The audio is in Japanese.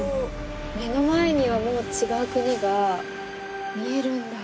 目の前にはもう違う国が見えるんだ。